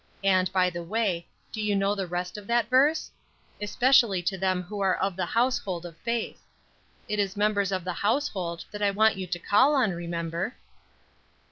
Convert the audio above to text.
And, by the way, do you know the rest of that verse? 'Especially to them who are of the household of faith.' It is members of the household that I want you to call on, remember."